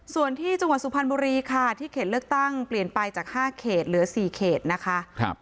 ส่วนที่จังหวัดสุพรรณบุรีค่ะที่เขตเลือกตั้งเปลี่ยนไปจาก๕เขตเหลือ๔เขตนะคะ